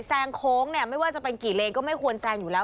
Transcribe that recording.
แซงโค้งเนี่ยไม่ว่าจะเป็นกี่เลนก็ไม่ควรแซงอยู่แล้ว